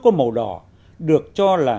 có màu đỏ được cho là